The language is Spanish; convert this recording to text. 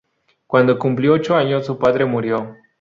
Cuando cumplió ocho años su padre murió.